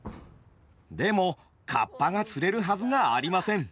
でも河童が釣れるはずがありません。